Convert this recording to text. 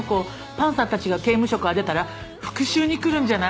パンサーたちが刑務所から出たら復讐に来るんじゃない？